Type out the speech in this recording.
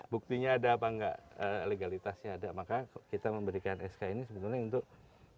buktinya ada apa enggak legalitasnya ada maka kita memberikan sk ini sebenarnya untuk memang hutan adatnya ini harus dikawal